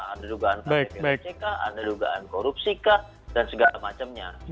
ada dugaan pbhi nya cekah ada dugaan korupsi kah dan segala macamnya